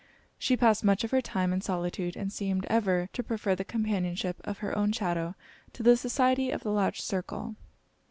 She passed much of her time in solitude and seemed ever to prefer the companionship of her own shadow to the society of the lodge circle.